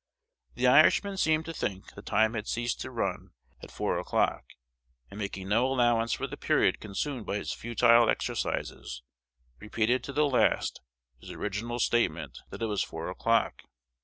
The Irishman seemed to think that time had ceased to run at four o'clock, and, making no allowance for the period consumed by his futile exercises, repeated to the last his original statement that it was four o'clock.